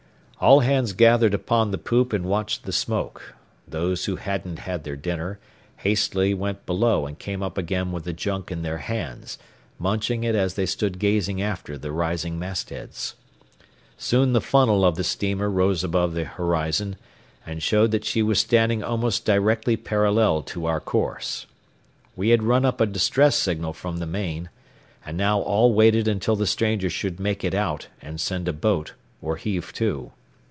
All hands gathered upon the poop and watched the smoke. Those who hadn't had their dinner, hastily went below and came up again with the junk in their hands, munching it as they stood gazing after the rising mastheads. Soon the funnel of the steamer rose above the horizon, and showed that she was standing almost directly parallel to our course. We had run up a distress signal from the main, and now all waited until the stranger should make it out and send a boat or heave to.